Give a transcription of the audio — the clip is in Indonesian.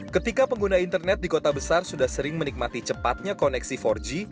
ketika pengguna internet di kota besar sudah sering menikmati cepatnya koneksi empat g